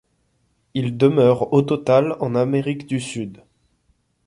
Il demeure au total en Amérique du Sud.